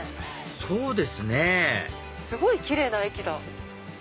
そうですねすごいキレイな駅だ。